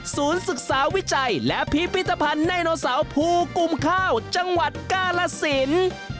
ศึกษาวิจัยและพิพิธภัณฑ์ไดโนเสาร์ภูกุมข้าวจังหวัดกาลสิน